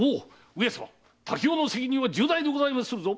滝尾の責任は重大でございまするぞ。